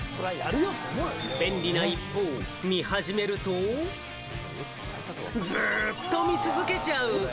便利な一方、見始めると、ずっと見続けちゃう。